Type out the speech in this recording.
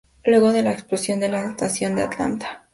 Luego de la explosión de la estación de Atlanta.